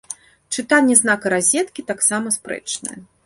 Чытанне знака разеткі таксама спрэчнае.